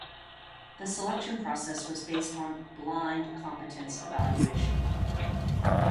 The selection process was based on "blind" competence evaluation.